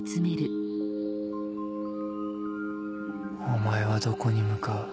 お前はどこに向かう？